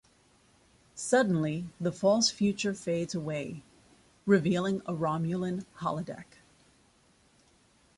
Suddenly, the false future fades away, revealing a Romulan holodeck.